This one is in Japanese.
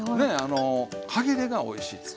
歯切れがおいしいです。